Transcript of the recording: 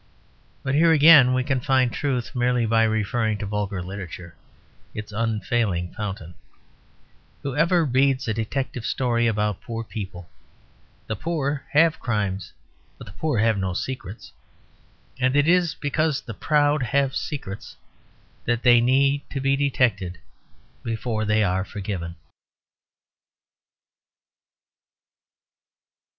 But here, again, we can find truth merely by referring to vulgar literature its unfailing fountain. Whoever read a detective story about poor people? The poor have crimes; but the poor have no secrets. And it is because the proud have secrets that they need to be detected before they are forgiven.